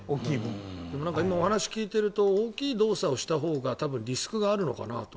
でも今お話を聞いていると大きい動作をしたほうがリスクがあるのかなと。